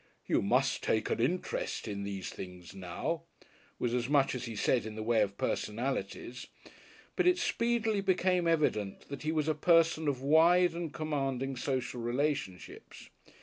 "You must take an interest in these things now," was as much as he said in the way of personalities. But it speedily became evident that he was a person of wide and commanding social relationships.